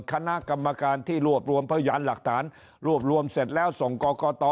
คณะกรรมการที่รวบรวมพยานหลักฐานรวบรวมเสร็จแล้วส่งกรกต